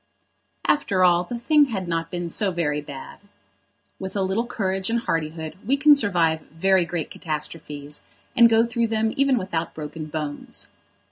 After all, the thing had not been so very bad. With a little courage and hardihood we can survive very great catastrophes, and go through them even without broken bones.